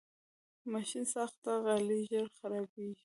ماشینساخته غالۍ ژر خرابېږي.